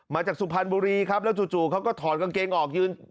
สุพรรณบุรีครับแล้วจู่เขาก็ถอดกางเกงออกยืน